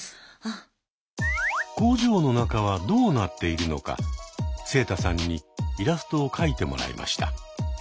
工場の中はどうなっているのかセイタさんにイラストを描いてもらいました。